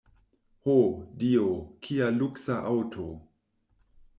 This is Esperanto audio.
Ho, Dio, kia luksa aŭto!